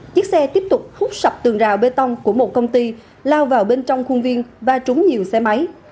chiếc xe tiếp tục hút sập tường rào bê tông của một công ty lao vào bên trong khuôn viên và trúng nhiều xe máy